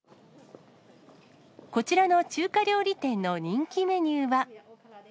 こちらの中華料理店の人気メニューは。